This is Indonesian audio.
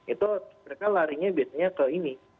itu mereka larinya biasanya ke ini ke pinjol gitu